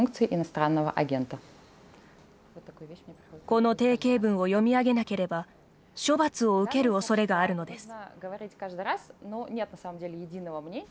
この定型文を読み上げなければ処罰を受けるおそれがあるのです。